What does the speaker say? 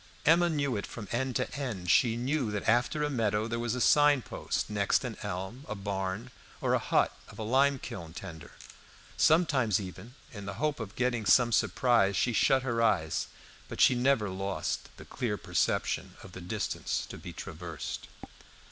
Emma knew it from end to end; she knew that after a meadow there was a sign post, next an elm, a barn, or the hut of a lime kiln tender. Sometimes even, in the hope of getting some surprise, she shut her eyes, but she never lost the clear perception of the distance to be traversed.